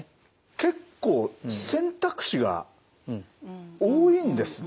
結構選択肢が多いんですね。